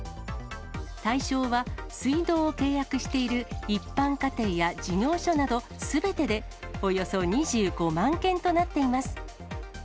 対象は、水道を契約している一般家庭や事業所などすべてで、およそ２５万件となっています。